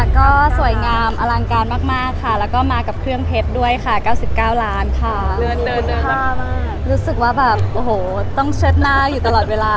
ค่ะสวยงามอลังการมากและมากับเครื่องเทพด้วย๙๙ล้านรู้สึกว่าต้องเสร็จหน้าอยู่ตลอดเวลา